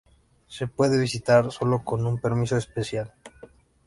Se puede visitar sólo con un permiso especial.